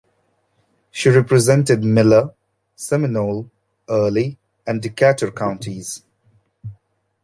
She represented Miller, Seminole, Early and Decatur counties.